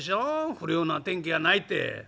降るような天気やないて」。